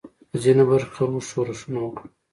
په ځینو برخو کې خلکو ښورښونه وکړل.